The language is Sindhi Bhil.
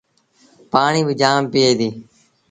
پآڻيٚ با جآم پيٚئي ديٚ۔